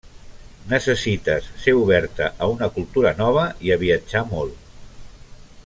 Necessites ser oberta a una cultura nova i a viatjar molt.